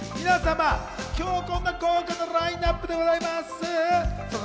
皆様、今日も豪華なラインナップでございます。